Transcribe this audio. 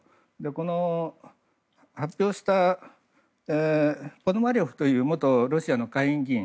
これを発表したポノマレフという元ロシアの下院議員。